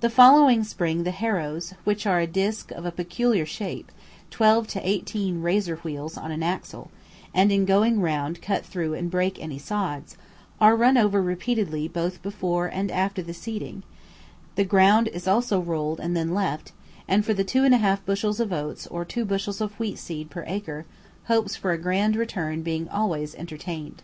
The following spring the harrows (which are "disc" of a peculiar shape, twelve to eighteen razor wheels on an axle, and in going round cut through and break any sods), are run over repeatedly both before and after the seeding; the ground is also rolled and then left, and for the two and a half bushels of oats or two bushels of wheat seed per acre, hopes for a grand return being always entertained.